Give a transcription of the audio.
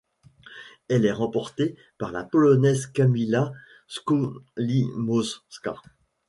Elle est remportée par la Polonaise Kamila Skolimowska.